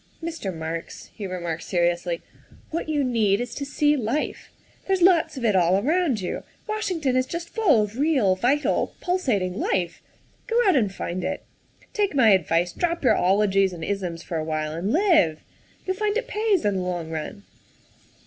" Mr. Marks," he remarked seriously, " what you need is to see life. There's lots of it all around you; Washington is just full of real, vital, pulsating life. Go out and find it. Take my advice, drop your ologies and isms for a while and live. You'll find it pays in the long run.